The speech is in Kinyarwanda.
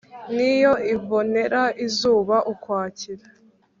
ni yo ibonera izuba ukwakira